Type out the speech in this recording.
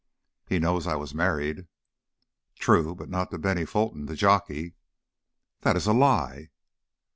"He knows I was married." "True. But not to Bennie Fulton, the jockey." "That is a lie!"